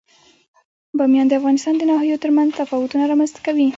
بامیان د افغانستان د ناحیو ترمنځ تفاوتونه رامنځ ته کوي.